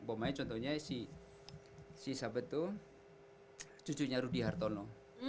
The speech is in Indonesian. pemain contohnya si sahabat tuh cucunya rudi hartono